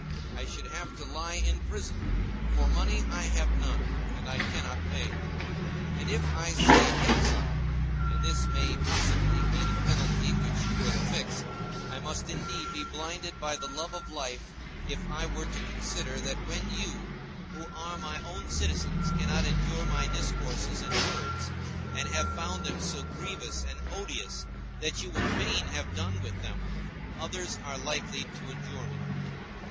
I should have to lie in prison, for money I have none, and I cannot pay. And if I say exile (and this may possibly be the penalty which you will affix), I must indeed be blinded by the love of life if I were to consider that when you, who are my own citizens, cannot endure my discourses and words, and have found them so grievous and odious that you would fain have done with them, others are likely to endure me.